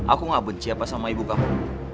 aku gak benci apa sama ibu kamu